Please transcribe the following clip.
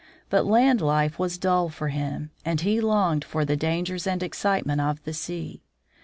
But land life was dull for him, and he longed for the dangers and excitement of the sea.